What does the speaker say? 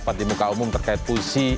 dapat di muka umum terkait pulsi